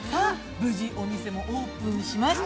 無事お店もオープンしました。